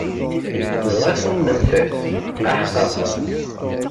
Dɣa tumenent-tt? Qaḥqa!